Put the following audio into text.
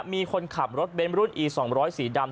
มีคนขับรถเบนเบอรุ่นอีสองร้อยสีดำ